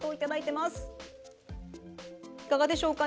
いかがでしょうか？